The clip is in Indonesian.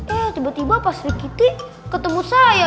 eh tiba tiba pak sri kiti ketemu saya